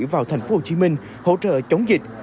vào tp hcm hỗ trợ chống dịch